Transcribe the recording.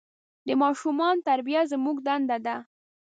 د ماشومان تربیه زموږ دنده ده.